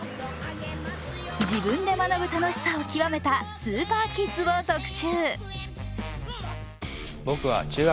自分で学ぶ楽しさを極めたスーパーキッズを特集。